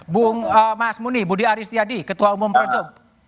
bu mas muni budi aris tiyadi ketua umum projok